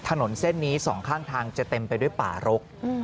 ถนนเส้นนี้สองข้างทางจะเต็มไปด้วยป่ารก